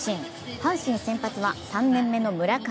阪神先発は３年目の村上。